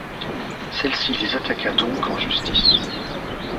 Celle-ci les attaqua donc en justice.